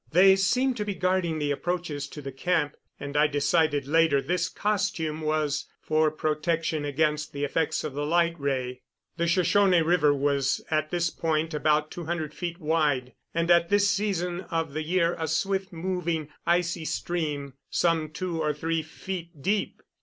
They seemed to be guarding the approaches to the camp, and I decided later this costume was for protection against the effects of the light ray. The Shoshone River was at this point about two hundred feet wide, and at this season of the year a swift moving, icy stream some two or three feet deep.